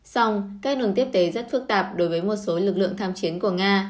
xong các nguồn tiếp tế rất phức tạp đối với một số lực lượng tham chiến của nga